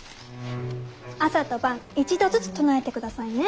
朝と晩１度ずつ唱えてくださいね。